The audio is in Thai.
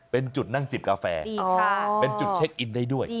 เป็นจุดนั่งจิบกาแฟเป็นจุดเช็คอินได้ด้วย